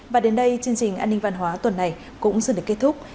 và đến đây chương trình an ninh văn hóa tuần này cũng dừng được kết thúc